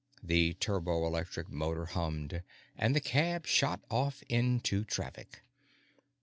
The turboelectric motor hummed, and the cab shot off into traffic.